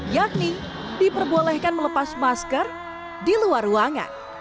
yakni diperbolehkan melepas masker di luar ruangan